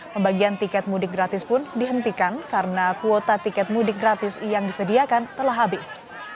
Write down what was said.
pembagian tiket mudik gratis pun dihentikan karena kuota tiket mudik gratis yang disediakan telah habis